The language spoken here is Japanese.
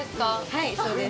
はい、そうです。